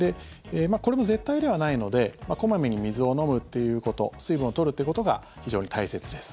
これも絶対ではないので小まめに水を飲むっていうこと水分を取るということが非常に大切です。